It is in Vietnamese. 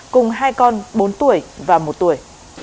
cùng hai con bốn tuổi và một tuổi